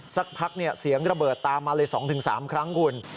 สักพักเสียงระเบิดตามมาเลย๒๓ครั้งคุณ